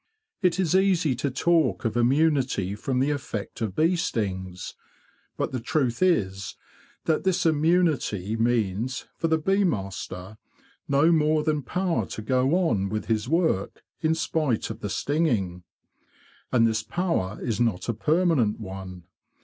It is easy to talk of immunity from the effect of bee stings; but the truth is that this immunity means, for the bee master, no more than power to go on with his work in spite of the stinging. And this power is not a permanent one.